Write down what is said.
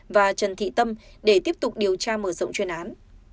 và trần thị tâm để tiếp tục điều tra mở rộng chuyên án